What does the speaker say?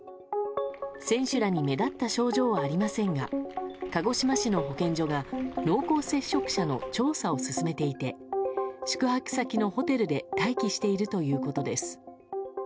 選手らに目立った症状はありませんが鹿児島市の保健所が濃厚接触者の調査を進めていて宿泊先のホテルで待機しているということです。